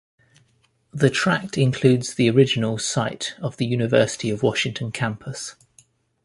The tract includes the original site of the University of Washington campus.